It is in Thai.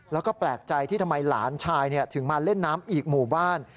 แล้วก็แปลกใจที่ทำไมหลานชายถึงมาเล่นน้ำอีกหมู่บ้าน